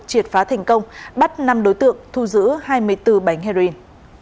triệt phá thành công bắt năm đối tượng thu giữ hai mươi bốn bánh heroin